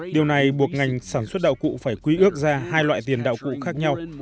điều này buộc ngành sản xuất đạo cụ phải quy ước ra hai loại tiền đạo cụ khác nhau